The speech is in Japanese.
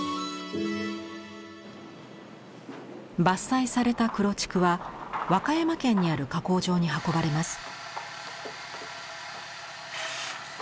伐採された黒竹は和歌山県にある加工場に運ばれます。